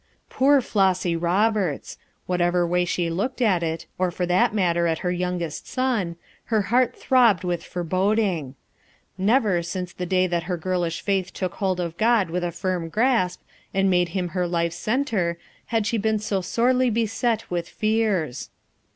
Poor Flossy Eoberts! whatever way she looked at it, or for that matter at her youngest son, her heart throbbed with foreboding. Never since the day that her girlish faith took hold of God with a firm grasp and made him her life 's center had she been so sorely beset with fears.